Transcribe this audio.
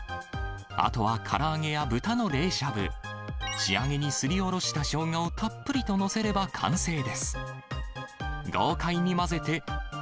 あとはから揚げや豚の冷しゃぶ、仕上げにすりおろしたショウガをたっぷりと載せれば完成です。